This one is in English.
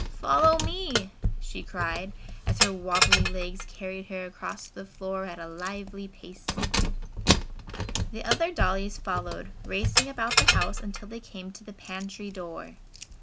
"Follow me!" she cried as her wobbly legs carried her across the floor at a lively pace. The other dollies followed, racing about the house until they came to the pantry door.